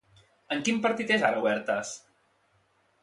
En quin partit és ara Huertas?